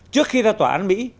trước khi ra tòa án mỹ